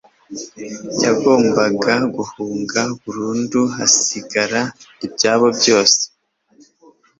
yagombaga guhunga burundu, hasigara ibyabo byose